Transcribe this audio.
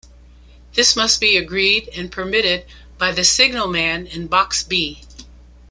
This must be agreed and permitted by the signalman in box B.